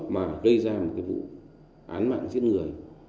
mà gây ra một cái vụ án mạng giết người